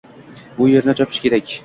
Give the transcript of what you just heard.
bu yerni chopish kerak